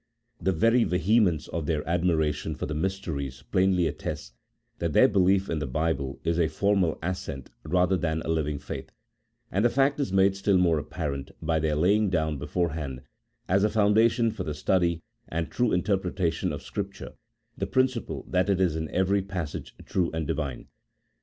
The very vehemence of their admiration for the mysteries plainly attests, that their belief in the Bible is a formal assent rather than a living faith : and the fact is made still more apparent by their laying down beforehand, as a foundation for the study and true interpretation of Scripture, the principle that it is in every passage true and divine.